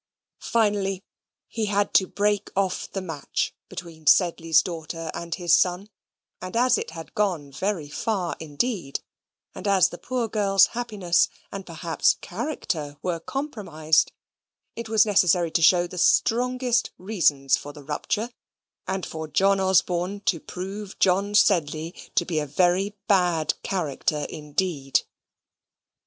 Finally, he had to break off the match between Sedley's daughter and his son; and as it had gone very far indeed, and as the poor girl's happiness and perhaps character were compromised, it was necessary to show the strongest reasons for the rupture, and for John Osborne to prove John Sedley to be a very bad character indeed.